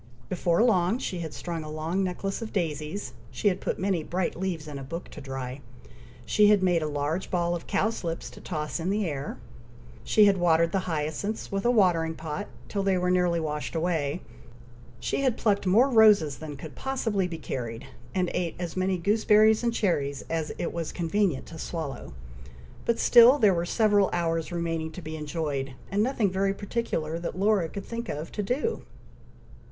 Before long she had strung a long necklace of daisies she had put many bright leaves in a book to dry she had made a large ball of cowslips to toss in the air she had watered the hyacinths, with a watering pot, till they were nearly washed away she had plucked more roses than could possibly be carried, and eat as many gooseberries and cherries as it was convenient to swallow, but still there were several hours remaining to be enjoyed, and nothing very particular, that Laura could think of, to do.